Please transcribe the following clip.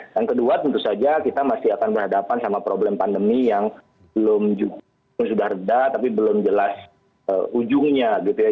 dan kedua tentu saja kita masih akan berhadapan sama problem pandemi yang belum juga sudah reda tapi belum jelas ujungnya